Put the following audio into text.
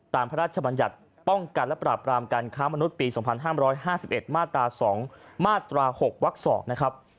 พระราชบัญญัติป้องกันและปราบรามการค้ามนุษย์ปี๒๕๕๑มาตรา๒มาตรา๖วัก๒นะครับ